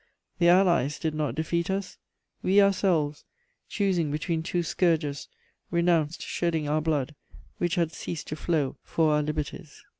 The Allies did not defeat us: we ourselves, choosing between two scourges, renounced shedding our blood, which had ceased to flow for our liberties.